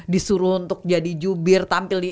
disuruh untuk jadi jubir tampil di